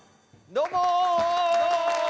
どうも！